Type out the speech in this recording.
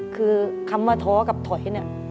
คือคำว่าท้อกับถอย